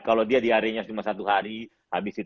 kalau dia diare hanya satu hari